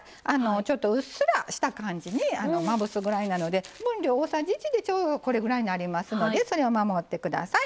ちょっとうっすらした感じにまぶすぐらいなので分量大さじ１でちょうどこれぐらいになりますのでそれを守って下さい。